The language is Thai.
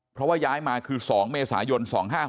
เพราะว่าย้ายมาคือ๒เมษายน๒๕๖๖